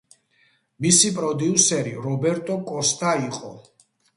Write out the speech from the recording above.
მისი პროდიუსერი რობერტო კოსტა იყო.